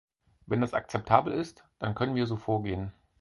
Wenn das akzeptabel ist, dann können wir so vorgehen.